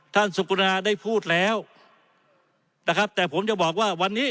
สุกุณาได้พูดแล้วนะครับแต่ผมจะบอกว่าวันนี้